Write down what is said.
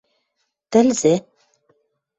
— Тӹлзӹ?